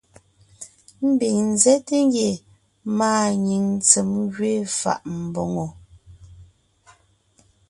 Ḿbiŋ ńzέte ngie màanyìŋ ntsém gẅiin fà’a mbòŋo.